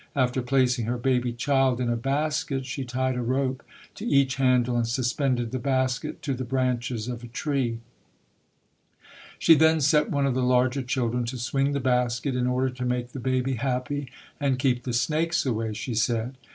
After placing her baby child in a basket, she tied a rope to each handle and suspended the basket to the branches of a tree. 212 ] UNSUNG HEROES She then set one of the larger children to swing the basket "in order to make the baby happy and keep the snakes away", she said.